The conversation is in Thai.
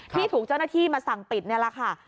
ที่ถูกเจ้าหน้าที่มาสั่งปิดนี่แหละค่ะ